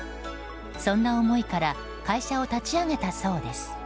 そんな思いから会社を立ち上げたそうです。